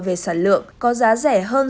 về sản lượng có giá rẻ hơn